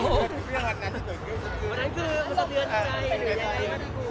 วันนั้นคือสะเทือนใจ